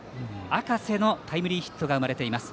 赤瀬のタイムリーヒットが生まれています。